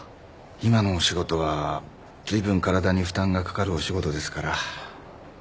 今のお仕事はずいぶん体に負担がかかるお仕事ですから。